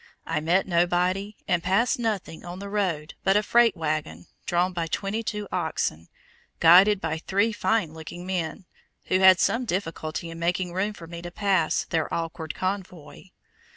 I met nobody, and passed nothing on the road but a freight wagon, drawn by twenty two oxen, guided by three fine looking men, who had some difficulty in making room for me to pass their awkward convoy.